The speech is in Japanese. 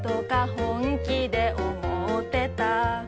本気で思ってた